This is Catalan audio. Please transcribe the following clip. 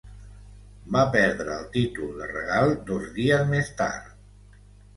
Va perdre el títol de Regal dos dies més tard.